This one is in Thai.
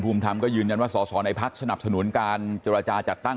ภูมิทำก็ยืนยันว่าสสในพักษณ์สนับสนุนการจราจาจัดตั้ง